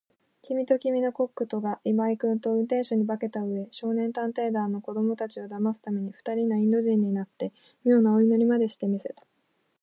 きみときみのコックとが、今井君と運転手に化けたうえ、少年探偵団の子どもたちをだますために、ふたりのインド人になって、みょうなお祈りまでして見せた。